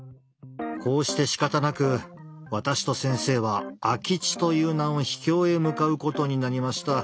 こうしてしかたなく私と先生は空き地という名の秘境へ向かうことになりました。